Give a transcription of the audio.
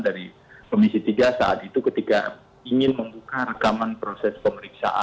ketika kita mencari keinginan atau permintaan dari komisi tiga saat itu ketika ingin membuka rekaman proses pemeriksaan